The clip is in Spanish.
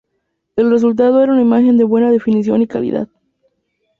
El resultado era una imagen de buena definición y calidad.